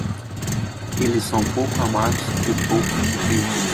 Eles são pouco amados e pouco compreendidos.